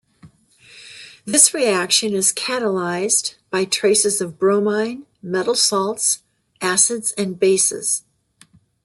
This reaction is catalyzed by traces of bromine, metal salts, acids and bases.